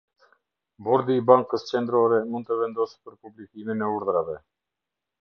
Bordi i Bankës Qendrore mund të vendosë për publikimin e Urdhrave.